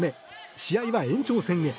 試合は延長戦へ。